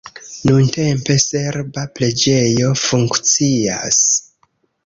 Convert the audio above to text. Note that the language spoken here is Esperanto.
Nuntempe serba preĝejo funkcias.